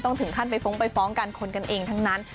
ถึงขั้นไปฟ้องไปฟ้องกันคนกันเองทั้งนั้น